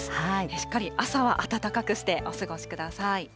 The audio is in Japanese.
しっかり朝は暖かくしてお過ごしください。